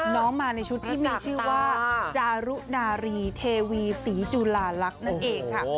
น้องมาในชุดที่มีชื่อว่าจารุนารีเทวีศรีจุลาลักษณ์นั่นเองค่ะ